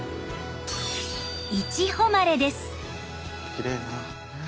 きれいだな。